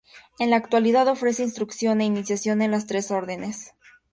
En la actualidad ofrece instrucción e iniciación en las Tres Órdenes.